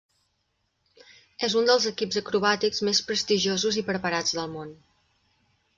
És un dels equips acrobàtics més prestigiosos i preparats del món.